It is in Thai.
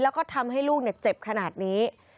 แล้วก็ทำให้ลูกเจ็บขนาดนี้